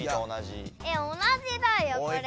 え同じだよこれ。